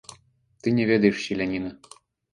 Ты не ведаеш селяніна.